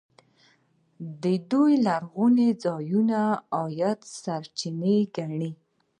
دوی لرغوني ځایونه د عاید سرچینه ګڼي.